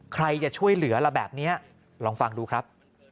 ใครจะช่วยเหลือล่ะแบบนี้ลองฟังดูครับ